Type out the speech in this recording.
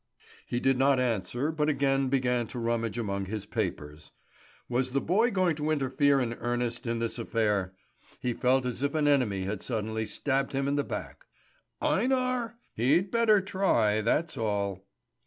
He did not answer, but again began to rummage among his papers. Was the boy going to interfere in earnest in this affair? He felt as if an enemy had suddenly stabbed him in the back. Einar? He'd better try, that's all.